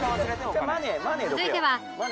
続いては